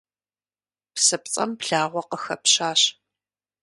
Псыпцӏэм благъуэ къыхэпщащ.